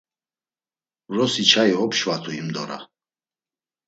Vrosi, çai opşvatu himdora.